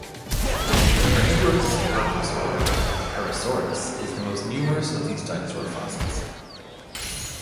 The carnivorous archosaur "Herrerasaurus" is the most numerous of these dinosaur fossils.